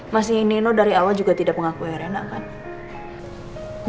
mas nino dari awal juga tidak mengakui rena kan